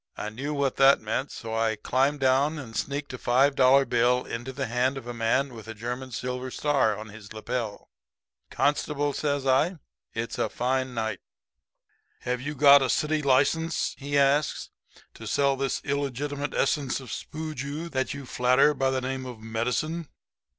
I knew what that meant; so I climbed down and sneaked a five dollar bill into the hand of a man with a German silver star on his lapel. [Illustration: "I commenced selling the bitters on Main Street."] "'Constable,' says I, 'it's a fine night.' "'Have you got a city license,' he asks, 'to sell this illegitimate essence of spooju that you flatter by the name of medicine?'